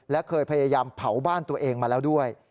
และเคยพยายามเผาบ้านตัวเองมาแล้วด้วย